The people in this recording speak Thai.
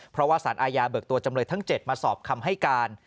เพราะว่าสารอาญาเบิกตัวจำเลยทั้ง๗มาสอบคำให้การ